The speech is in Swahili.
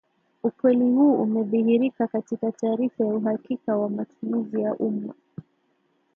Ukweli huu umedhihirika katika taarifa ya uhakiki wa matumizi ya umma